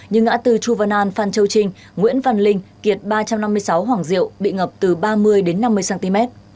như ngã tư chu văn an phan châu trinh nguyễn văn linh kiệt ba trăm năm mươi sáu hoàng diệu bị ngập từ ba mươi đến năm mươi cm